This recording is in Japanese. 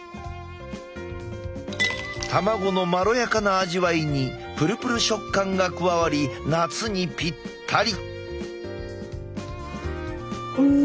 卵のまろやかな味わいにプルプル食感が加わり夏にぴったり。